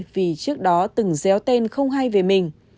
vì trước đó từng giéo tên không hay về mình